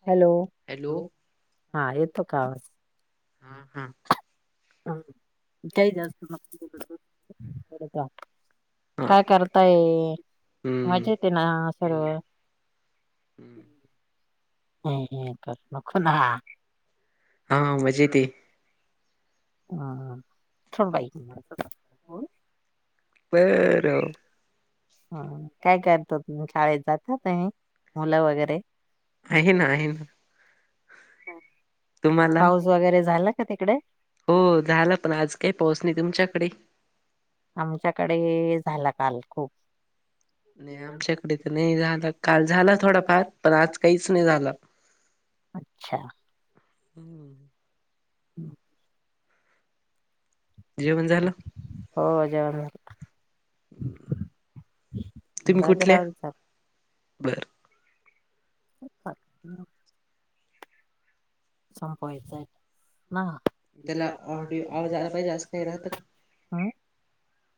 Hello [unintelligible] हो का काय करताय मज येत ना सर्व हम्म [unintelligible] हम थोड बाईक वर ह काय करतो शाळेत जाता तुम्ही मुलं वगैरे आहे ना आहे ना पाऊस वगैरे झाला का तिकडे हो झालं पण आज काही पाोच नाही तुमच्याकडे... आमच्याकडे झाला काल खूप.. नाही आमच्याकडे तर नाही झालं काल झाला थोडाफार पण आज काहीच नाही झाला... हम्म... हम्... जेवण झालं हो जेवण झालं... तुम्ही कुठल्या बर... [unintelligible] संपवायच आहे... ह त्याला आवाज आला का जास्त ये...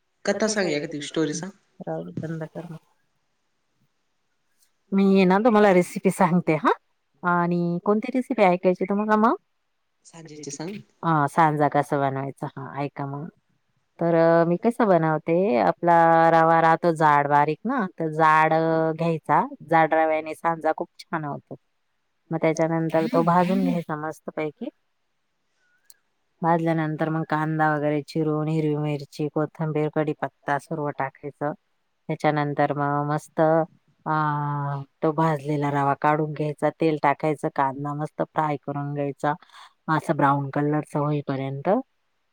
[unintelligible] मी ये ना त मला रेसिपी सांगते हा आणि कोणती रेस... ऐकायची तुम्हाला मग सांजा कस बनवायच... सहा ऐकमम.. तर मी कसं बनवते आपला रवा राहतो झाड बारीक ना तर झाड घ्यायच.... जाड रव्याने सांजा खूप छान होता... मग त्याच्यानंतर तो भाजून घ्या स मस्त पैकी... भाजल्यानंतर मग कांदा वगैरे चिरून हिरवी मिरची कोथंबीर कडीपत्ता सर्व टाकय.... त्याच्यानंतर मग मस्त... ह तो भाजलेला रावा काढून घ्यायचा... तेल टाकायचं कांदादमस्त फ्राय करून घ्यायचा असं ब्राऊन कलरच होईपर्यंत...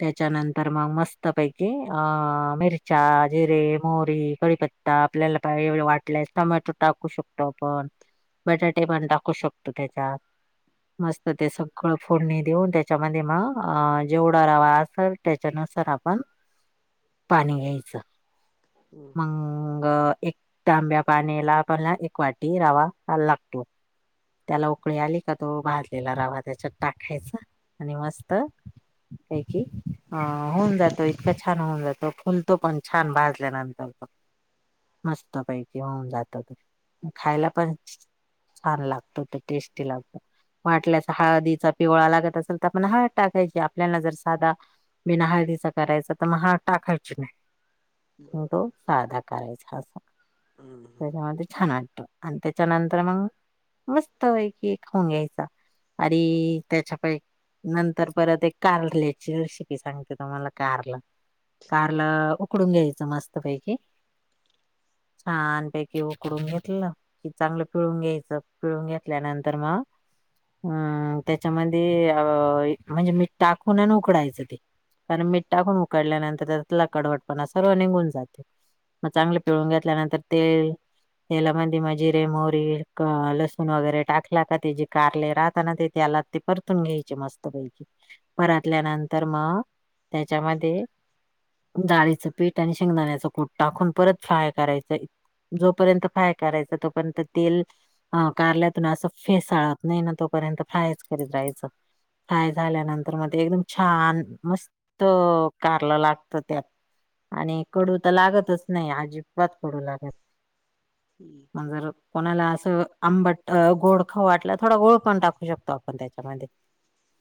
त्याच्यानंतर मग मस्त पैकी अ मिरच्या जिरे मोहरी कढीपत्ता... आपल्याला पा एढ वाटलंय टोमॅटो टाकू शकतो आपण बटाटे पण टाकू शकतो... त्याच्यात.. मस्त ते सगळं फोडणी देऊन त्याच्यामध्ये मग जेवढा रवा असेल त्याच्यान... त्याच्यानंतर आपण... पाणी घ्यायचं मग एक आंब्या. पाण्याला आपला एक वाटी रावा लागतो... त्याला उकळी आली का तो भाजलेला रवा त्याच्यात टाकायचा... आणि मस्त.. का क अं होऊन जातो इतकं छान होऊन जातो फुलतो पण छान भाजल्यानंतर... मस्त पैकी होऊन जात तर खायला पण... छान लागतो तर टेस्टी लागतो... वाटल्याचा हळदीचा पिवळा लागत असेल तर आपण हळ टाकायची आपल्याला जर साधा बिनहाळदि च.. करायचा तर मग ह टाकायची नाही... तो साधा करायचा हा.. त्याच्यामध्ये छान वाटत आणि त्याच्यानंतर मग... मस्त आहे की खाऊन घ्यायचा आणि त्याच्याक... नंतर परत एक कारल्याची रेसिपी सांगते तुम्हाला कारला.. कारल उकडून घ्यायचं मस्त पैकी... छानपैकी उकडून घेतलं कि चांगलं पिळून घ्यायच... पिळून घेतल्यानंतर मग... अम त्याच्यामध्ये अ म्हणजे मीठ टाकून आणि उकडायचं ते... कारण मीठ टाकून उकडल्यानंतर त्यातला कडवटपणा सर्व निघून जाते... मग चांगलं पिळून घेतल्यानंतर तेल तेला मध्ये मग जिरे मोहरी.. लसूण वगैरे टाकला का ते जे कारले राहताना ते त्याला ते परतून घ्यायचे मस्त पैकी.... परतल्यानंतर मग त्याच्यामध्ये. डाळीचं पीठ आणि शेंगदाण्याच कूट टाकून परत फ्राय करायचं.... जोपर्यंत फ्राय करायचा तोपर्यंत तेल कारल्यातून असं फेसाळत नाही ना तोपर्यंत फ्रायच करीत राहायचं... थाय झाल्यानंतर मग ते एकदम छान मस्त कारलं लागत त्यात आणि कडू त लागतच नई, अजिबात कडू लाग हम्म [unintelligible] ला असं आंबट अ गोड खाऊ वाटलं, थोडा गोळ पण टाकू शकतो आपण त्याच्यामध्ये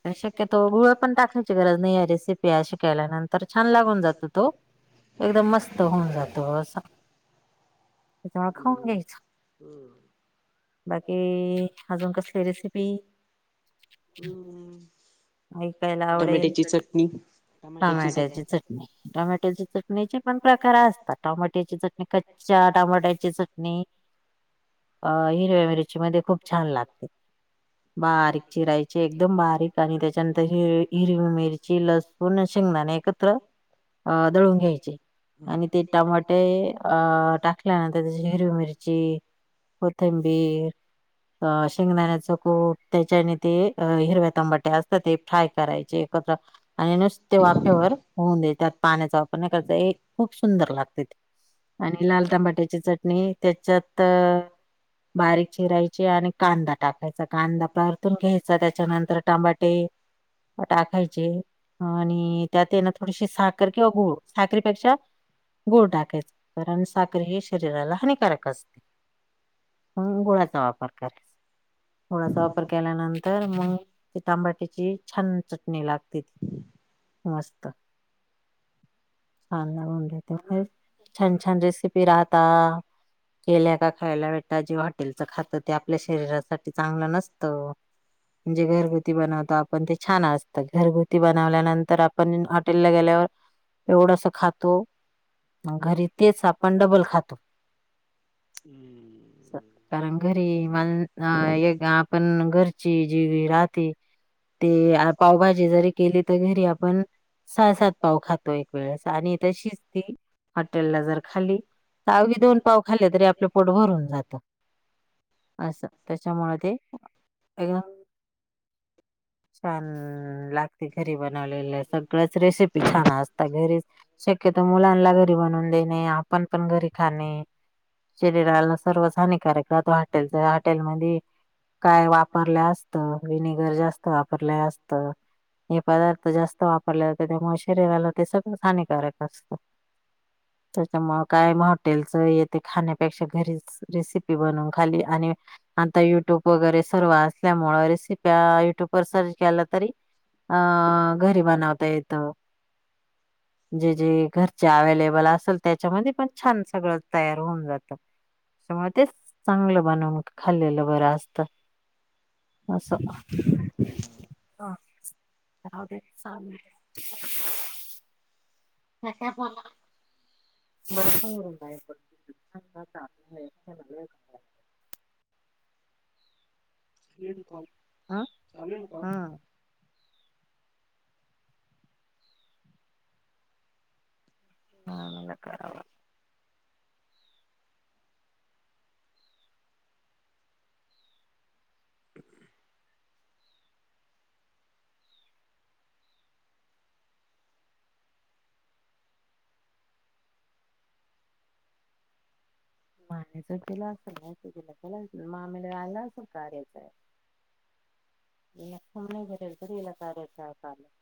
[unintelligible] शक्यतो गुळ पण टाकायची गरज नाही आहे, रेसिपी अशी केल्यानंतर छान लागून जातो तो एकदम मस्त होऊन जातो, अस [unintelligible] खाऊन घ्यायच. बाकी अजून कसली रेसिपी उम्म टमॅट्याची चटणी टामॅट्याची चटणी, टोमॅट्याच्या चटणीचे पण प्रकार असतात, टोमाट्याची चट कच्च्या टमाट्याची चटणी अ हिरव्या मिरची मध्ये खूप छान लागते. बारीक चिरायचे एकदम बारीक आणि त्याच्यानंतर हिर हिरवी मिरची, लसूण असे शेंगदाणे [unintelligible] अ दळून घ्यायचे आणि ते टमाटे अ टाकल्यानंतर त्याची हिरवी मिरची, कोथंबीर अ शेंगदाण्याच कोट त्याच्यान ते अ हिरव्या तंबाट्या असतात ते फ्राय करायचे. [unintelligible] आणि नुसते वाफेवर होऊन देय त्यात पाण्याचा वापर नाही करायचा, [unintelligible] खूप सुंदर लागते ते आणि लाल तंबाट्याची चटणी त्याच्यात बारीक चिरायची आणि कांदा टाकायचा, कांदा परतून घ्यायचा त्याच्यानंतर तंबाटे अ टाखायचे आणि त्यात ये ना थोडीशी साखर किंवा गुळ, साखरीपेक्षा गुळ टाकायच. कारण साखर हे शरीराला हानिकारक अस म्हणून गुळाचा वापर करायचा. गुळाचा वापर केल्यानंतर मंग ती तांबाट्याची छान चटणी लागते ती मस्त छान [unintelligible] छान छान रेसिपी राहता, केल्या का खायला भेटता अ जे हॉटेलच खात ते आपल्या शरीरासाठी चांगलं नसतं. जे घरगुती बनवतो आपण ते छान असत, घरगुती बनवल्यानंतर आपण [unintelligible] हॉटेलला गेल्या अ एवढस खातो [unintelligible] [unintelligible] तेच आपण डबल खातो, उ च कारण घरी मल अ एक आपण घरची जी राहती. ते अ पावभाजी जरी केली त घरी आपण सहा सात पाव खातो एक वेळेस आणि तशीच ती हॉटेलला जर खाली त अवघी दोन पाव खाल्ले, तरी आपलं पोट भरून जात. अस त्याच्यामुळ ते एक [unintelligible] छान लागते घरी री बनवलेले सगळच रेसिपी छान असता, घरीच शक्यतो मुलालना घरी बनून देणे आपण पण घरी खाणे. शरीराला सर्वच हानिकारक राहतो, हॉटेलचा हॉटेलमधि काय वापरल्या असत विनेगर जास् त वापरले असतं, हे पदार्थ जास् त वापरल्या जातं त्यामुळे शरीराला ते सगळंच हानिकारक असतं. त्याच्यामुळ काय म हॉटेलचं ये ते खाण्यापेक्षा घरीच रेसिपी बनवून खाल्ली आणि आता युट्यूप वगैरे सर्व असल्यामुळे रेसिप्या युट्यूप पर सर्च केला तरी अ घरी बनवता येत. जे जे घरचे अवेलेबल असल त्याच्यामध्ये पण छान सगळं तयार होऊन जात. स म तेच चांगलं बनवू खाल्लेलं बरं असत. अस हा [unintelligible] [unintelligible] [unintelligible] [unintelligible] हा हा हा [unintelligible] मानेच केला असेल नाही [unintelligible] मामी ला आला असल कार्याच ॲप ये सम नाही भर तरीला [unintelligible] [inaudible]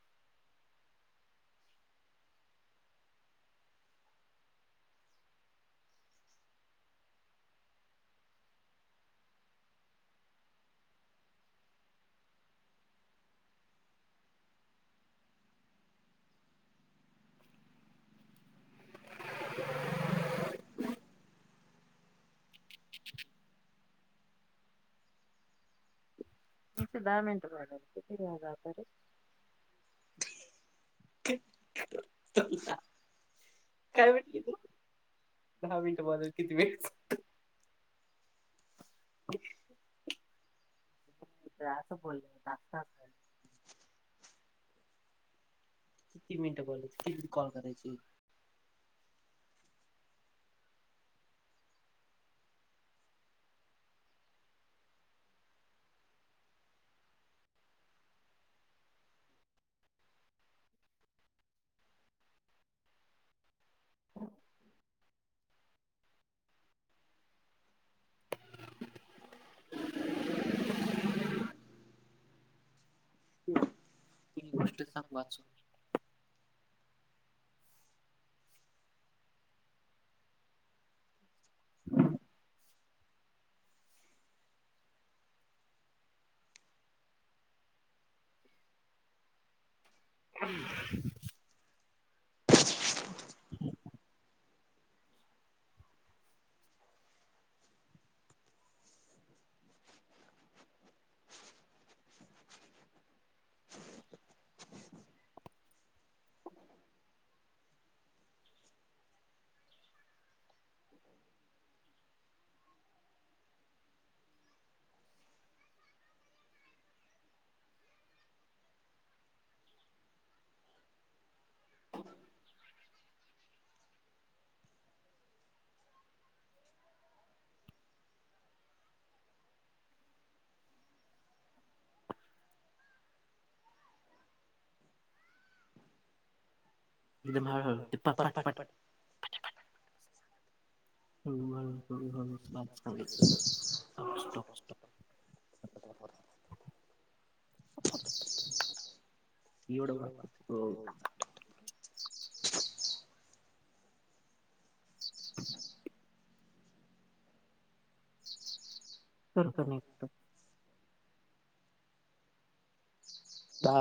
[inaudible] तिथे दहा मिनिट [unintelligible] [inaudible] काय म्हटली तु दहा मिनिट बोलायला किती वेळ जातो [inaudible] असं बोलले [unintelligible] ती मिंट ब त कॉल करायची गोष्ट सांग वाचून [inaudible] [inaudible] [unintelligible] हळू हळू [unintelligible] [inaudible] एवढं वाच हो. [inaudible] [inaudible] कर कनेक्ट. दहा.